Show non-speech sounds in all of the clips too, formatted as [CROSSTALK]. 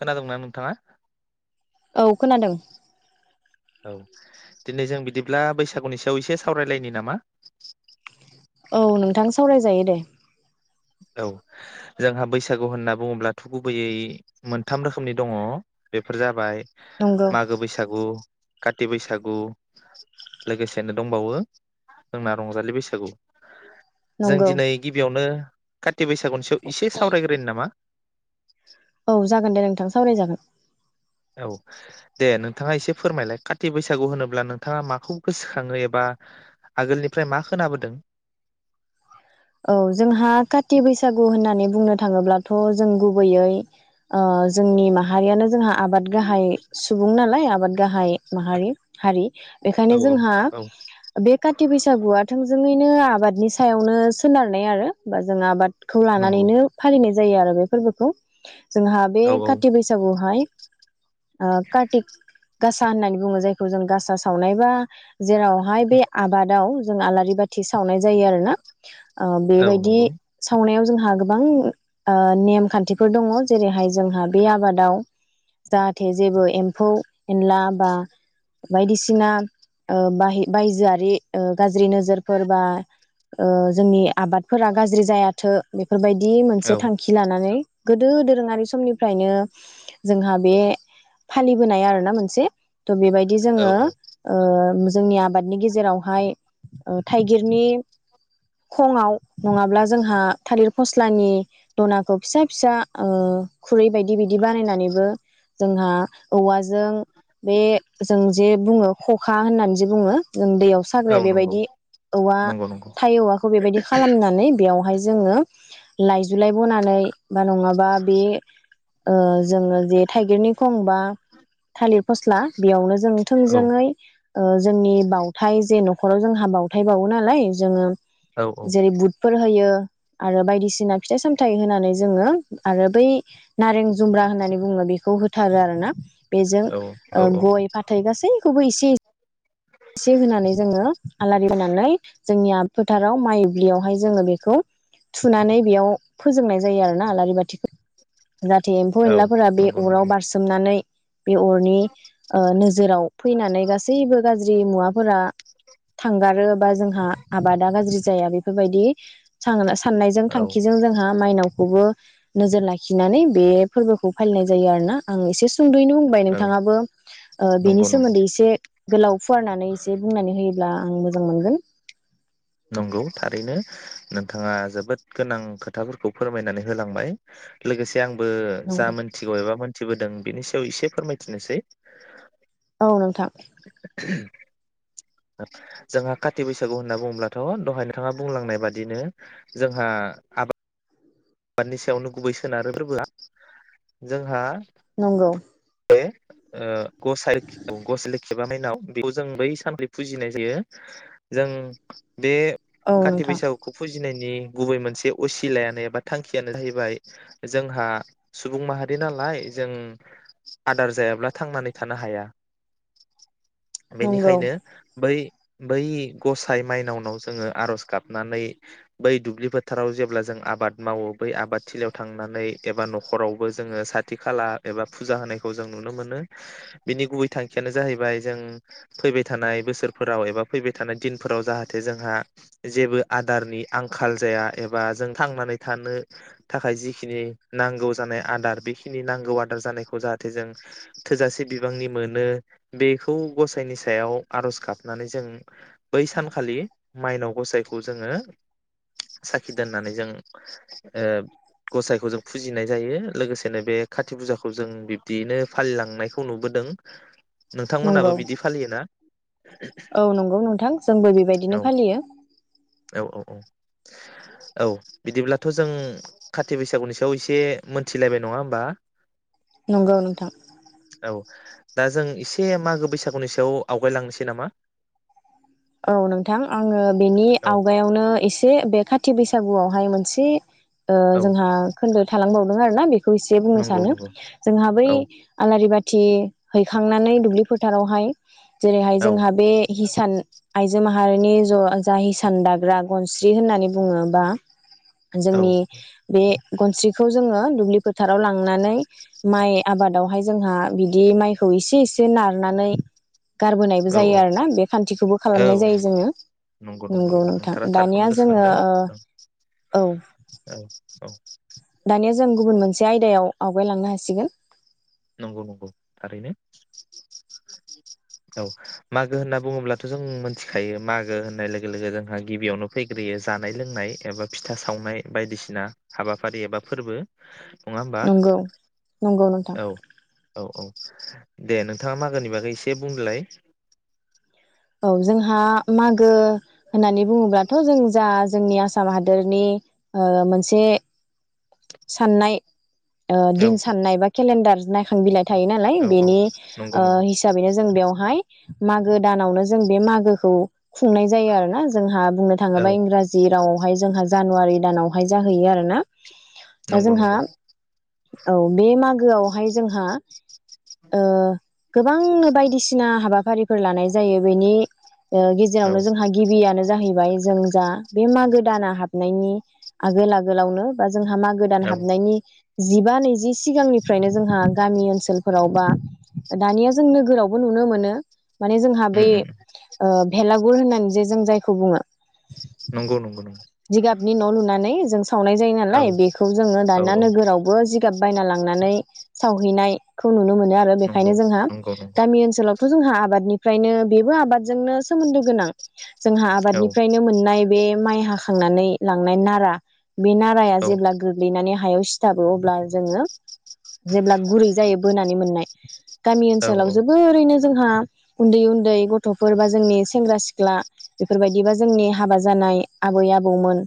खोनादोंना नोंथाङा? औ खोनादों। औ दिनै जों बिदिब्ला बैसागुनि सायाव एसे सावरायलायनि नामा? औ नोंथां सावरायजायो दे। औ जोंहा बैसागु होनना बुङोब्लाथ' गुबैयै मोनथाम रोखोमनि दङ बेफोर जाबाय। नंगौ मागो बैसागु काति बैसागु लोगोसेनो दंबावो जोंना रंजालि बैसागु। जों नंगौ दिनै गिबियावनो। ति बैसागुसेयाव एसे सावरायग्रोनि नामा? औ जागोन दे नोंथां सावरायजागोन। औ दे नोंथाङा एसे फोरमायलाय काति बैसागु होनोब्ला नोंथाङा माखौ गोसोखाङो एबा आगोलनिफ्राय मा खोनाबोदों? औ जोंहा काथि बैसागु होननानै बुंनो थाङोब्लाथ' जों गुबैयै ओ जोंनि माहारियानो जोंहा आबाद गाहाय सुबुं नालाय आबाद गाहाय माहारि हारि औ बेखायनो औ जोंहा औ बे काथि बैसागुआ थोंजों ङैनो आबादनि सायावनो सोनारनाय आरो बा जोंङो आबाद खौ नंगौ लानानैनो फालिनाय जायो आरो बे फोरबोखौ जोंहा बे औ औ खााथि बैसागुआवहाय आ कारतिक गासा होननानै बुङो जायखौ जों गासा सावनायबा जेरावहाय बे आबादाव जों आलारि बाथि सावनाय जायो आरो ना ओ औ बेबायदि नंगौ सावनायाव जोंहा गोबां ओ नेम खान्थिफोर दङ जेरैहाय जोंहा बे आबादाव जाहाथे जेबो एम्फौ एनला बा बायदिसिना ओ बाहे बायजोआरि ओ गाज्रि नोजोरफोर बा ओ जोंनि आबादफोरा गाज्रि जायाथो बेफोरबायदि मोनसे औ थांखि लानानै गोदो दोरोङारि समनिफ्रायनो जोंहा बे फालिबोनाय आरोना मोनसे त' बेबायदि औ जोङो ओ जोंनि आबादनि गेजेरावहाय ओ थाइगिरनि खङाव नङाब्ला जोंहा थालिर फस्लानि दनाखौ फिसा फिसा ओ खुरै बायदि बिदि बानायनानैबो जोंहा औवाजों बे जों जे बुङो खखा होननानै जे बुङो जों दैयाव औ साग्राया नंगौ बेबायदि औवा नंगौ नंगौ थाइ औवाखौ बेबायदि खालामनानै बेवहाय जोङो लाइजुलाइ बनानै बा नङाबा बे ओ जोङो जे थाइगिरनि खंबा थालिर फस्ला बेयावनो जों औ थोंजोङै ओ जोंनि बावथाय जे न'खराव जोंहा बावथाय बावो नालाय जोङो औ औ जेरै बुटफोर होयो आरो बायदिसिना फिथाइ सामथायाइ होनानै जोङो आरो बै नारें जुमब्रा होननानै बुङो बेखौ होथारो आरो ना बेजों औ औ ओ औ गय फाथै गासै खौबो एसे एसे एसे होनानै जोङो आलारि होनानै जोंनिया फोथाराव माइब्लियावहाय जोङो बेखौ थुनानै बेयाव फोजोंनाय जायो आरो ना आलारि बाथिखौ जाहाथे एम्फौ औ एनलाफोरा बे नंगौ अराव नंगौ बारसोमनानै बे अरनि ओ नोजोराव फैनानै गासैबो मुवाफोरा थांगारो बा जोंहा आबादा गाज्रि जाया बेफोरबायदि [UNINTELLIGIBLE] साननायजों औ थांखिजों जोंहा माइनाव खौबो नोजोर लाखिनानै बे फोरबोखौ फालिनाय जायो आरोना आं एसे सुंद'यैनो बुंबाय औ नोंथाङाबो ओ बेनि नंगौ नंगौ सोमोन्दै एसे गोलाव फुवारनानै एसे बुंनानै होयो होनब्ला आं मोजां मोनगोन नंगौ थारैनो नोंथाङा जोबोद गोनां खोथाफोरखौ फोरमायनानै होलांबाय लोगोसे आंबो जा नंगौ मोनथिगौ एबा मिथिबोदों बिनि थ एसे फोरमायथिनोसै औ नोंथां जोंहा काथि बैसागु होनना बुङोब्लाथ' दहाय नोंथाङा बुंलांनाय बादिनो जोंहा आबाद आबादनि सायावनो गुबै सोनारो फोरबोआ जोंहा नंगौ [UNINTELLIGIBLE] आ गस [INAUDIBLE] गस [INAUDIBLE] लखि बिबा [INAUDIBLE] माइ [INAUDIBLE] नाव [INAUDIBLE] बेखौ जों बै सानब्रै फुजिनाय जायो जों बे औ काथि नोंथां बैसागुखौ फुजियो थिनायनि गुबै मोनसे असिलायानो एबा थांखियानो जाहैबाय जोंहा सुबुं माहारि नालाय जों आदार जायाब्ला थांनानै थानो हाया नंगौ बेनिखायनो बै बै गसाइ माइनावनाव जोङो आरज गाबनानै बै दुब्लि फोथाराव जेब्ला जों आबाद मावो बै आबाद थिलियाव थांनानै एबा न'खरावबो जोङो साथि खाला एबा फुजा होनायखौ जों नुनो मोनो बिनि गुबै थांखियानो जाहैबाय जों फैबाय थानाय बोसोरफोराव एबा फैबाय थानाय दिनफोराव जाहाथे जोंहा जेबो आदारनि आंखाल जाया एबा जों थांनानै थानो थाखाय जिखिनि नांगौ जानाय आदार बेखिनि नांगौ आदार जानायखौ जाहाथे जों थोजासे बिबांनि मोनो बेखौ गसाइनि सायाव आर'ज गाबनानै जों बै सानखालि माइनाव गसाइखौ जोङो साखि दोननानै जों ओ गसाइखौ जों फुजिनाय जायो लोगोसेनो बे कत फुजाखौ जों बिब्दियैनो फालिलांनायखौ नुबोदों नोंथांमोनाबो नंगौ बिदि फालियो ना औ नंगौ नोंथां जोंबो बेबायदिनो औ फालियो औ औ औ औ बिदिब्लाथ' जों खाथि बैसागुनि सायाव एसे मोनथिलायबाय नङा होमबा नंगौ नोंथां औ दा जों एसे मागो बैसागुनि सायाव आवगायलांनोसै नामा औ नोंथां आङो बेनि औ आवगायावनो एसे बे खाथि बैसागुआव माइ मोनसे औ जोंहा खोन्दो थालांबाव दों आरोना बे खौ एसे बुंनो नंगौ सानो नंगौ जोंहा बै औ आलारि बाथि थि हैखांनानै दुब्लि फोथारावहाय जेरैहाय औ जोंहा बे हि सान आइजो माहारिनि ज जय हिसान दाग्रा गनस्रि होननानै बुङो बा औ जोंनि बे गनस्रिखौ जोङो दुब्लि फोथाराव लांनानै माइ आबादावहाय जोंहा बिदि माइखौ एसे एसे नारनानै गारबोनायबो औ जायो आरो ना बे खान्थिखौबो औ खालामनाय जायो जोङो नंगौ नंगौ नंगौ नंगौ नोंथां नोंथारा दानिया थारखौनो जोङो गोसोखांदों ओ औ औ औ दायाव आवगायलांनो हासिगोन। नंगौ नंगौ थारैनो औ मागो होनना बुङोब्लाथ' जों मोनथिखायो मागो होननाय लोगो लोगो जोंहा गिबियावनो फैग्रोयो जानाय लोंनाय एबा फिथा सावनाय बायदिसिना हाबाफारि एबा फोरबो नङा होमबा नंगौ नंगौ नोंथां। औ औ औ दे नोंथाङा मागोनि बागै एसे बुंलाय। औ जोंहा मागो होननानै बुङोब्लाथ' जों जा जोंनि आसाम आसाम हादरनि मोनसे साननाय औ दिन साननाय बा केलेन्डार नायखां बिलाइ थायो नालाय औ औ बेनि नंगौ नंगौ हिसाबैनो जों बेवहाय मागो दानावनो जों बे मागोखौ खुंनाय जायो आरोना जोंहा बुंनो औ थाङोबा इंराजि रावावहाय जोंहा जानुवारि दानावहाय जाहैयो आरोना। दा नंगौ जोंहा नंगौ। औ बे मागोआवहाय जोंहा गोबांनो बायदिसिना हाबाफारिफोर लानाय जायो। बेनि औ गेजेरावनो जोंहा गिबियानो जाहैबाय जों जा बे मागो दाना हाबनायनि आगोल आगोलावनो बा जोंहा मागो दान औ हाबनायनि जिबा नैजि सिगांनिफ्रायनो जोंहा गामि ओनसोलफोराव बा दानिया जों नोगोरावबो नुनो मोनो। माने जोंहा उम बेै उम भेलागुर होननानै जे जों जायखौ बुङो। नंगौ नंगौ नंगौ जिगाबनि न' लुनानै जों सावनाय जायो औ नालाय बे खौ जोङो औ दाना औ नोगोरावबो जिगाब बायना लांनानै सावहैनायखौ नुनो मोनो। आरो नंगौ बेखायनो जोंहा नंगौ नंगौ गामि ओनसोलावथ' जोंहा आब' आबादनिफ्रायनो बेबो आबादजोंनो सोमोनदो गोनां। जोंहा औ आबादनिफ्रायनो मोननाय बे माइ हाखांनानै लांनाय नारा बि नाराया औ जेब्ला गोग्लैनानै हायाव सिथाबो अब्ला जोङो जेब्ला गुरै जायो बोनानै मोननाय गामि औ ओनसोलाव जोबोरैनो जोंहा उन्दै उन्दै गथ'फोर बा जोंनि सेंग्रा सिख्ला बेफोरबायदिबा जोंनि हाबा जानाय आबै आबौमोन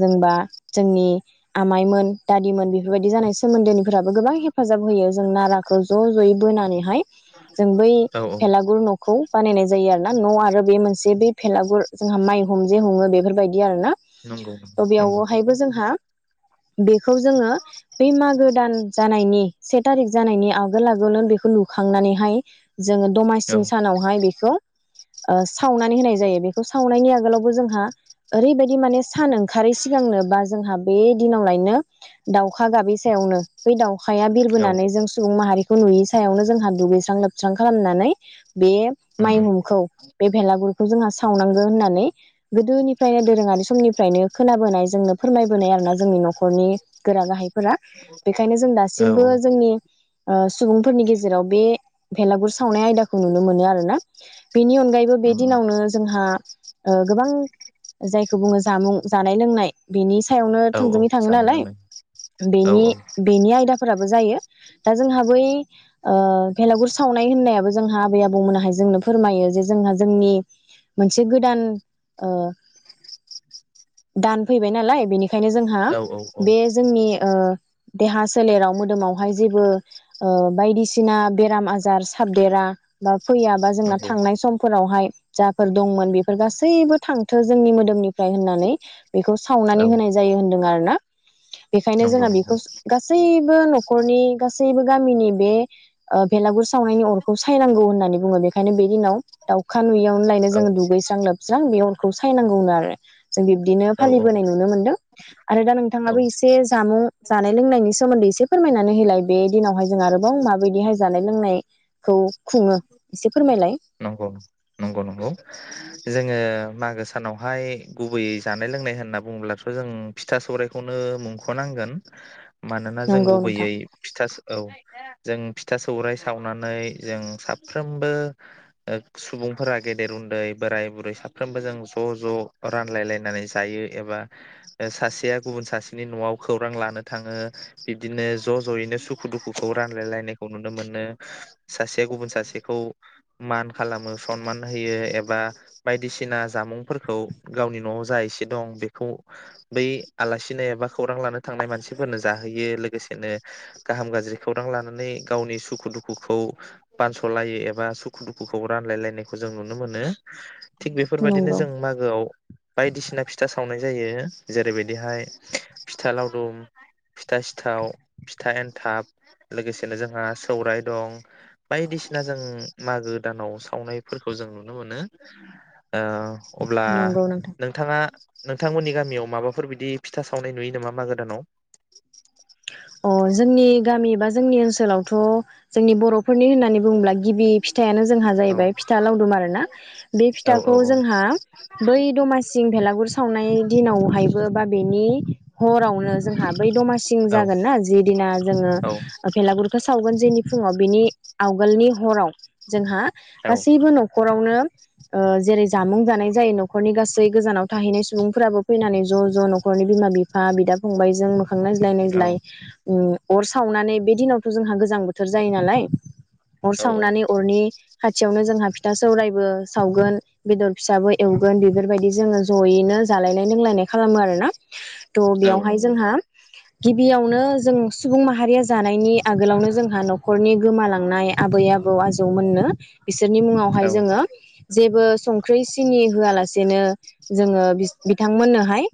जोंबा जोंनि आमाइमोन दादिमोन बेफोरबायदि जानाय सोमोन्दोनिफोराबो गोबां हेफाजाब होयो जों नाराखौ ज' ज'यै बोनानैहाय जों बै औ औ भेलागुर न'खौ बानायनाय जायो आरो ना न' आरो बे मोनसे बे भेलागुर जोंहा माइ हुंजे हङो बेफोरबायदि आरो ना नंगौ थ' नंगौ बेयावहायबो जोंहा बेखौ जोङो बै मागो दान जानायनि से थारिख जानायनि आगोल आगोलनो बेखौ लुखांनानैहाय जोङो औ दमासि सानावहाय बेखौ सावनानै होनाय जायो बेखौ सावनायनि आगोलावबो जोंहा ओरैबायदि माने सान ओंखारै सिगांनो बा जोंहा बे दिनावलायनो दाउखा गाबै सायावनो बै दाउखाया औ बिरबोनानै जों सुबुं माहारिखौ नुयै सायावनो जोंहा दुगैस्रां लोबस्रां खालामनानै बे उम उम माइहुंखौ बे भेलागुरखौ जोंहा सावनांगौ होननानै गोदोनिफ्रायनो दोरोङारि समनिफ्रायनो खोनाबोनाय जोंनो फोरमाय जों'नि गोरा गाह बेखायनो जों औ दासिबो जोंनि सुबुंफोरनि गेजेराव बे भेलागुर सावनाय आयदाखौ नुनो मोनो आरोना बेनि अनगायैबो बे उम उम दिनावनो जोंहा गोबां जायखौ बुङो जामुं जानाय लोंनाय बेनि सियावनो औ औ थोंजोङै थाङो जानाय नालाय लोंनाय औ बेनि औ बेनि आयदाफोराबो जायो दा जोंहा बै ओ भेलागुर सावनाय होननायाबो जोंहा आबै आबौमोनाहाय जोंनो फोरमायो जे जोंहा जोंनि मोनसे गोदान ओ दान फैबाय नालाय बेनिख बेनिखायनो जोंहा औ औ औ बे जोंनि ओ देहा सोलेराव मोदोमावहाय जेबो बायदिसिना बेराम आजार साबदेरा बा फैया बा जोंना नंगौ थांनाय समफोरावहाय जाफोर दंमोन बेफोर गासैबो थांथो जोंनि मोदोमनिफ्राय होननानै बेखौ सावनानै औ होनाय जा जायो होनदों आरोना बेखायनो नंगौ जोंहा बेखौ नंगौ गासैबो न'खरनि गासैबो गामिनि बे ओ बेलागुर सावनायनि अरखौ सायनांगौ होननानै बुङो बेखायनो बे दिनाव दाउखा नुयैयावनो लायनो औ जोङो दुगैस्रां लोबस्रां बे अरखौ सायनांगौ होनो आरो जों बिब्दिनो औ फालिबोनाय नुनो मोन्दों आरो दा नोंथाङाबो औ एसे जामुं जानाय लोंनायनि सोमोन्दै एसे फोरमायनानै होलाय बे दिनावहाय जोंहा आरोबाव माबायदिहाय जानाय लोंनायखौ खुङो एसे फोरमायलाय नंगौ नंगौ नंगौ जोङो मागो सानावहाय गुबैयै जानाय लोंनाय होनना बुंङोब्लाथ' जों फिथा सौरायखौनो मुंख'नांगोन मानोना जों नंगौ नोंथां गुबैयै फिथा औ जों फिथा सौराइ सावनानै जों साफ्रोमबो ओ सुबुंफोरा गेदेर उन्दै बोराय बुरै साफ्रोमबो जों ज' ज' रानलायलायनानै जायो एबा सासेया गुबुन सासेनि न'आव खौरां लानो थाङो बिब्दिनो ज' ज'यैनो सुखु दुखुखौ रानलायलायनायखौ नुनो मोनो सासेया गुबुन सासेखौ मान खालामो सनमान होयो एबा बायदिसिना जामुंफोरखौ गावनि न'आव जा एसे दं बेखौ बै आलासिनो एबा खौरां लानो थांनाय मानसिफोरनो जाहोयो लोगोसेनो गाहाम गाज्रि खौरां लानानै गावनि सुखु दुखुखौ बानस'लायो एबा सुखु दुखुखौ रानलायलायनायखौ जों नुनो मोनो थिग बेफोरबायदिनो नंगौ जों मागोआव बायदिसिना फिथा सावनाय जायो जेरैबायदिहाय फिथा लावदुम फिथा सिथाव फिथा एन्थाब लोगोसेनो जोंहा सौराइ दं बायदिसिना जों मागो दानाव सावनायफोरखौ जों नुनो मोनो। औ अब्ला नंगौ नोंथां नोंथाङा नोंथांमोननि गामियाव माबाफोर बिदि फिथा सावनाय नुयो नामा मागो दानाव अ जोंनि गामि एबा जोंनि ओनसोलावथ' जोंनि बर'फोरनि होननानै बुङोब्ला गिबि फिथायानो जोंहा औ जाहैबाय फिथा लावदुम आरोना बे औ औ फिथाखौ जोंहा बै दमासि बेलागुर सावनाय दिनावहायबो बा बेनि हरावनो जोंहा बै दमासि औ जागोनना जि दिना जोङो औ ओ भेलागुरखौ सावगोन बेनि आवगोलनि हराव जोंहा गासिबो न न'खरावनो ओ जेरै जामुं जानाय जायो न'खरनि गासै गोजानाव थाहैनाय सुबुंफोराबो फैनानै ज' ज' न'खरनि बिमा बिफा बिदा फंबायजों मोखां नाय नायज्लाय नायज्लाय अर सावनानै बे दिनावथ' जोंहा गोजां बोथोर जायो नालाय अर औ सावनानै अरनि खाथियावनो जोंहा फिथा सौरायबो सावगोन बेदर फिसाबो एवगोन बेफोरबायदि जोङो ज'यैनो जालायनाय लोंलायनाय खालामो आरोना। तह औ बेयावहाय नंगौ जोंहा गिबियावनो जों सुबुं माहारिया जानायनि आगोलावनो जोंहा न'खरनि गोमालांनाय आबै आबौ आजौमोननो बिसोरनि मुङावहाय औ जोङो जेबो संख्रि सिनि होआलासेनो जोङो बिथांमोननोहाय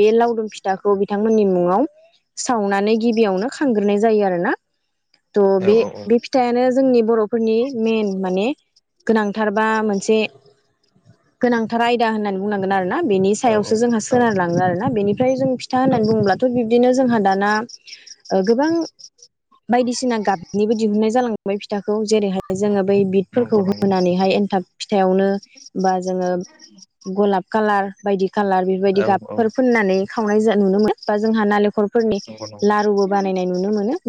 बे लावदुम फिथाखौ बिथांमोन नि मुङाव सावनानै गिबियावनो खांग्रोनाय जायो आरो ना। त बे औ औ बे फिथायानो जोंनि बर' फोरनि मेन माने गोनांथार बा मोनसे गोनांथार आयदा होननानै बुंनांगोन आरोना। बेनि औ सायावसो जोंहा औ सोनार लाङो आरोना बेनिफ्राय जों फिथा होननानै औ ब बुंङोबथ' बिबदिनो जोंहा दाना गोबां बायदिसिना गाबनिबो दिहुननाय जालां बै फिथाखौ जेरैहाय जोङो बै बिदफोरखौ नंगौ नंगौ होनानैहाय एनथाब फिथायावनो बा जोङो गलाब कालार बायदि कालार बेफोरबायदि औ औ गाबफोर फोननानै खावनाय जायो। नुनो मोन बा जोंहा नालेंखरफोर नंगौ नंगौ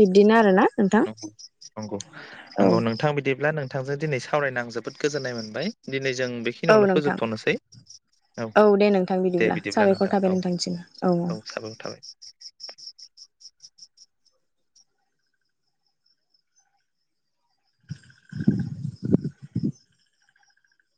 बिब्दिनो आरोना नोंथां नंगौ नंगौ औ नंगौ नोंथां बिदिब्ला नोंथांजों दिनै सा सावरायनो आं जोबोद गोजोन्नाय मोनबाय दिनै। जों औ बेखिनियावनो नोंथां फोजोबथ'नोसै औ दे नोंथां दे बिदिब्ला साबायखर नोंथां थाबाय औ औ नोंथांनिसिम औ साबायखर थाबाय। [INAUDIBLE]